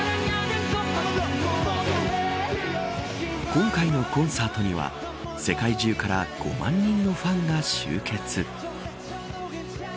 今回のコンサートには世界中から５万人のファンが集結。